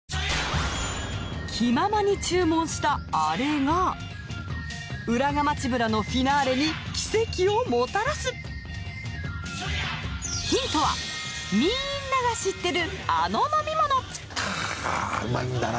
気ままに注文したアレが浦賀街ブラのフィナーレに奇跡をもたらすヒントはみんなが知ってるあの飲み物かぁうまいんだな